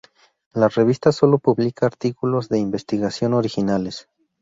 La revista solo publica artículos de investigación originales.